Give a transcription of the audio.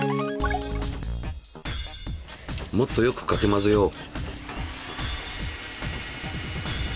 もっとよくかき混ぜよう。